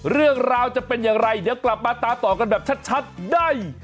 เรื่องราวจะเป็นอย่างไรเดี๋ยวกลับมาตามต่อกันแบบชัดได้